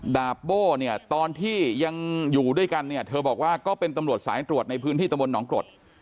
ดาบโบ้เนี่ยตอนที่ยังอยู่ด้วยกันเนี่ยเธอบอกว่าก็เป็นตำรวจสายตรวจในพื้นที่ตะบนหนองกรด